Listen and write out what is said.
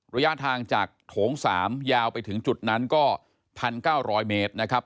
ระยะทางจากโถง๓ยาวไปถึงจุดนั้นก็๑๙๐๐เมตรนะครับ